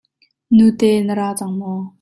Nute, na ra cang maw.